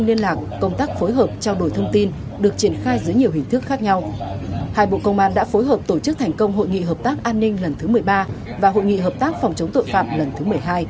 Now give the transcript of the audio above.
hai bộ công an đã phối hợp tổ chức thành công hội nghị hợp tác an ninh lần thứ một mươi ba và hội nghị hợp tác phòng chống tội phạm lần thứ một mươi hai